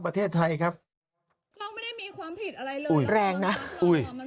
ประเทศไทยครับเราไม่ได้มีความผิดอะไรเลยรุนแรงนะอุ้ยมัน